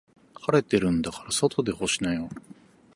晴れてるんだから外で干しなよ。